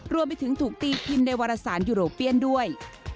รวมไปถึงถูกตีพิมพ์ในวารสารยูโรเปียนด้วย